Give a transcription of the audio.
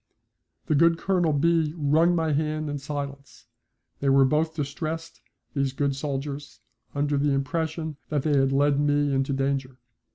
The good Colonel B. wrung my hand in silence. They were both distressed, these good soldiers, under the impression that they had led me into danger.